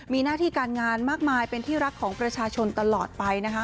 มีหน้าที่การงานมากมายเป็นที่รักของประชาชนตลอดไปนะคะ